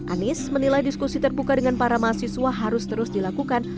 anies menilai diskusi terbuka dengan para mahasiswa harus terus dilakukan